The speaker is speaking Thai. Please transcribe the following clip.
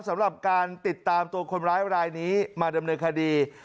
สำหรับการติดตามตัวคนร้ายรายนี้มาดำเนินคดี